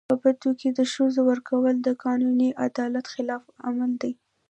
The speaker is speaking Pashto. په بدو کي د ښځو ورکول د قانوني عدالت خلاف عمل دی.